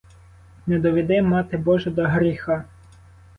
Не доведи, мати божа, до гріха!